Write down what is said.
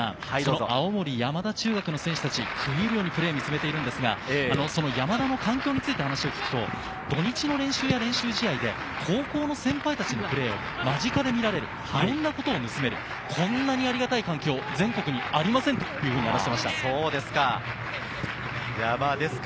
青森山田中学の選手達、食い入るようにプレーを見つめていますが、青森山田の環境について話を聞くと、土日の練習や、練習試合で高校の先輩たちのプレーを間近で見られる、見つめる、こんなにありがたい環境は全国にありませんと話しています。